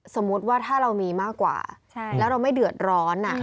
สมมุติว่าถ้าเรามีมากกว่าแล้วเราไม่เดือดร้อน